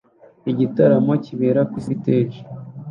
Igitaramo kibera kuri stage